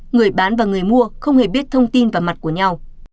người bán và người mua không hề biết thông tin và mặt của nhau